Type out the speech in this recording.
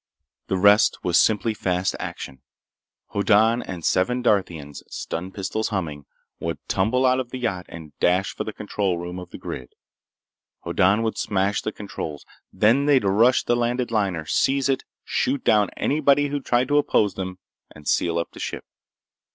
The rest was simply fast action. Hoddan and seven Darthians, stun pistols humming, would tumble out of the yacht and dash for the control room of the grid. Hoddan would smash the controls. Then they'd rush the landed liner, seize it, shoot down anybody who tried to oppose them, and seal up the ship.